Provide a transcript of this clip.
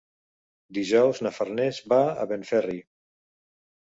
Dijous na Farners va a Benferri.